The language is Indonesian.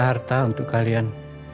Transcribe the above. harta untuk kalian